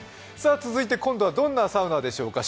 続いて今度はどんなサウナでしょうか？